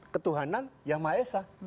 ketuhanan yang maesah